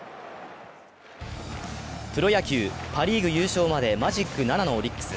プロ野球、パ・リーグ優勝までマジック７のオリックス。